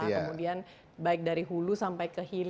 kemudian baik dari hulu sampai ke hilir